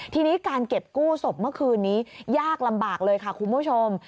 ทีนี้การเก็บกู้ศพเมื่อคืนนี้ยากลำบากเลยค่ะคุณผู้ชม